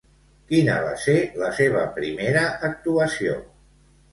Quina va ser la seva primera actuació?